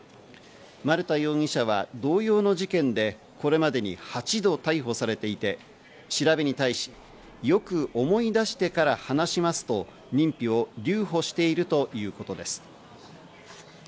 丸田容疑者は同様の事件で、これまでに８度逮捕されていて、調べに対し、よく思い出してから話しますと認否を留保しているということです。